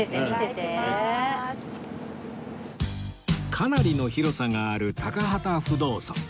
かなりの広さがある高幡不動尊